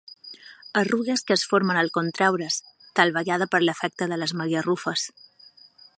Arrugues que es formen al contreure's, tal vegada per l'efecte de les magarrufes.